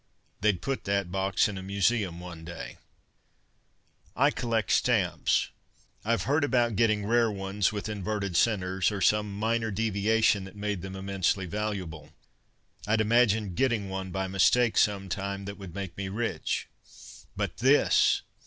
They'd put that box in a museum one day! I collect stamps I've heard about getting rare ones with inverted centers, or some minor deviation that made them immensely valuable. I'd imagined getting one by mistake sometime that would make me rich. But this!